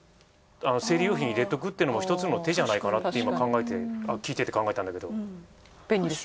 生理用品入れておくっていうのもひとつの手じゃないかなって今考えて聞いてて考えたんだけど。